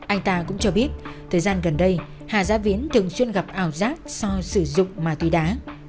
anh ta cũng cho biết thời gian gần đây hà giám viễn thường xuyên gặp ảo giác so sử dụng mà tuy đá